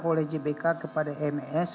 oleh jbk kepada ems